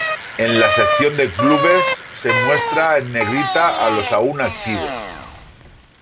En la sección de clubes se muestra en negrita a los aún activos.